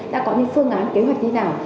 đã có những phương án kế hoạch như thế nào